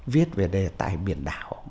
viết về đề tài biển đảo